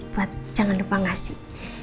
buat jangan lupa ngasih